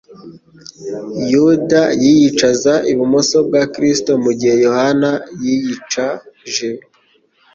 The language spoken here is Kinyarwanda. Yuda yiyicaza ibumoso bwa Kristo, mu gihe Yohana yiyicaje